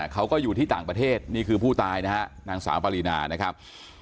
เขาก็อยู่ที่ต่างประเทศนี่คือผู้ตายนะฮะนางสาวปรินานะครับ